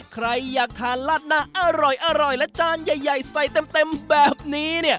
ใครอยากทานลาดหน้าอร่อยและจานใหญ่ใส่เต็มแบบนี้